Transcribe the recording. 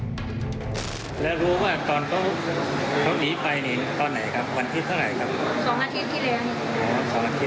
สรุปแล้วทั้งจังหวัดสักแก้วในปีประมาณเท่าไรพี่